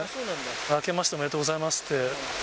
あけましておめでとうございますって。